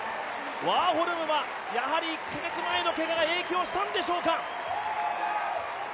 ワーホルムはやはり１カ月前のけがが影響したんでしょうか。